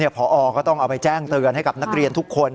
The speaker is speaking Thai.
พอก็ต้องเอาไปแจ้งเตือนให้กับนักเรียนทุกคน